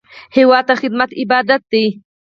هېواد ته خدمت عبادت دی